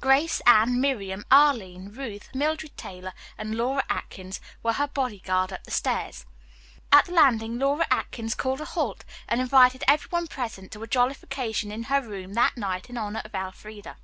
Grace, Anne, Miriam, Arline, Ruth, Mildred Taylor and Laura Atkins were her body guard up the stairs. At the landing Laura Atkins called a halt and invited every one present to a jollification in her room that night in honor of Elfreda.